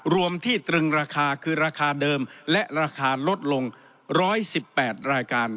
รวมที่ตรึงราคาคือราคาเดิมและราคาลดลง๑๑๘รายการ